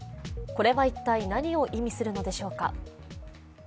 これは一体何を意味するのでしょうか。